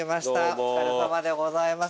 お疲れさまでございます。